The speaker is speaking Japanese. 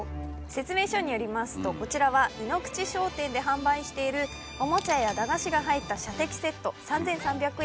説明書によりますとこちらは井ノ口商店で販売しているおもちゃや駄菓子が入った射的セット３３００円です。